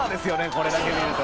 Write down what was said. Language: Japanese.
これだけ見ると。